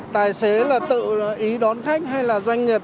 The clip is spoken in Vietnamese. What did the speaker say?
tài xế là tự ý đón khách hay là doanh nghiệp